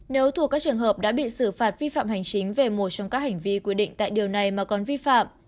nếu thuộc các trường hợp đã bị xử phạt vi phạm hành chính về một trong các hành vi quy định tại điều này mà còn vi phạm